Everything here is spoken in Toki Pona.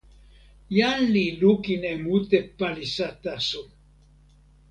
jan li lukin e mute palisa taso.